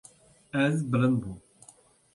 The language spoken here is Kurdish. Ez bilind bûm.